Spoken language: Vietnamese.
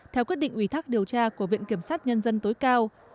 theo quyết định ủy thắc điều tra của viện kiểm sát nhân dân tối cao